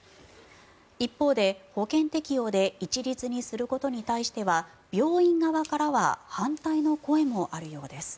一方で、保険適用で一律にすることに対しては病院側からは反対の声もあるようです。